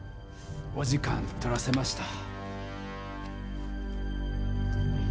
お時間取らせました。